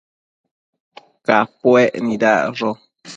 Capuec nidacsho